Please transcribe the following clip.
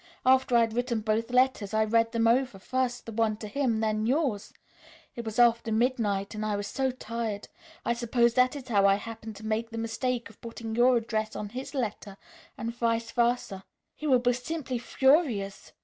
After I had written both letters, I read them over; first the one to him, then yours. It was after midnight and I was so tired. I suppose that is how I happened to make the mistake of putting your address on his letter and vice versa. He will be simply furious.